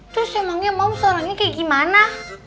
terus emangnya moms orangnya kayak gimana